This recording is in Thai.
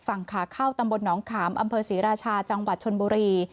ฝั่งขาเข้าตำบลหนองขามอำเภอศรีราชาจังหวัดชนบุรี